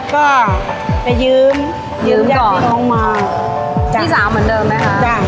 ก็ไปยืมยืมก่อนยัดพี่น้องมาพี่สาวเหมือนเดิมไหมคะจ้ะ